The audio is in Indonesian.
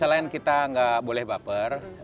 selain kita nggak boleh baper